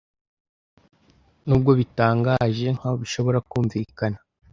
Nubwo bitangaje nkaho bishobora kumvikana,